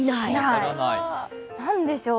何でしょう。